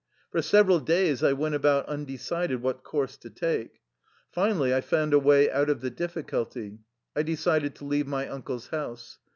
For several days I went about un decided what course to take. Finally I found a way out of the difficulty: I decided to leave my uncle's house.